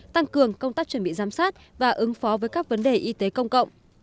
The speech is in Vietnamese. tăng cường công tác chuẩn bị giám sát và ứng phó với các vấn đề y tế công cộng